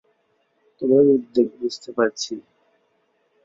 তোমার উদ্বেগ বুঝতে পারছি।